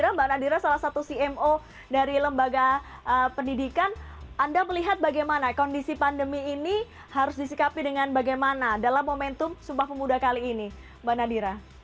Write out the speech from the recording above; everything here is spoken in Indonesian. mbak nadira salah satu cmo dari lembaga pendidikan anda melihat bagaimana kondisi pandemi ini harus disikapi dengan bagaimana dalam momentum sumpah pemuda kali ini mbak nadira